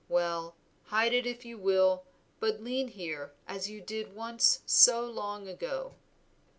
Well, hide it if you will, but lean here as you did once so long ago."